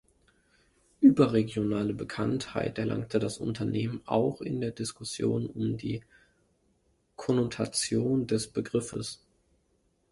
Überregionale Bekanntheit erlangte das Unternehmen auch in der Diskussion um die Konnotation des Begriffes.